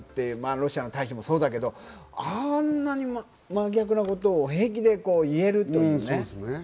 ロシアの大使もそうだけど、あんなに真逆なことを平気で言えるというね。